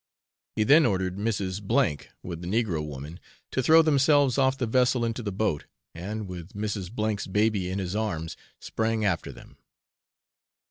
He then ordered Mrs. N , with the negro woman, to throw themselves off the vessel into the boat, and, with Mrs. N 's baby in his arms, sprang after them.